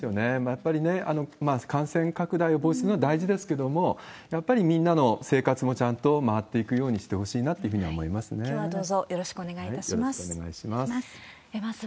やっぱりね、感染拡大を防止するのも大事ですけれども、やっぱりみんなの生活もちゃんと回っていくようにしてほしいなときょうはどうぞ、よろしくおよろしくお願いします。